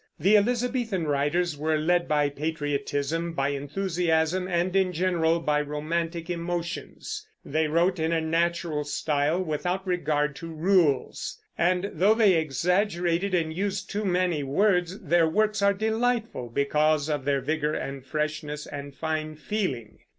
The Elizabethan writers were led by patriotism, by enthusiasm, and, in general, by romantic emotions. They wrote in a natural style, without regard to rules; and though they exaggerated and used too many words, their works are delightful because of their vigor and freshness and fine feeling.